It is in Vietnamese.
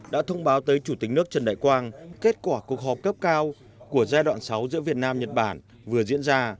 đã thông báo tới chủ tịch nước trần đại quang kết quả cuộc họp cấp cao của giai đoạn sáu giữa việt nam nhật bản vừa diễn ra